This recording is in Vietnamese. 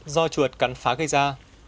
do chuột cắn phá gây ra